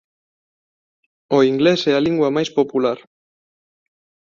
O Inglés é a lingua máis popular.